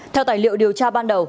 theo tài liệu điều tra ban đầu